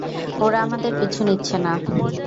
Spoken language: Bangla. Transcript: ওরা আমাদের পিছু নিচ্ছে না।